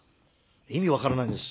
意味わからないです。